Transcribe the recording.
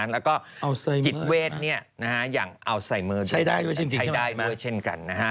แล้วก็จิตเวทอย่างอัลไซเมอร์ใช้ได้ด้วยเช่นกันนะฮะ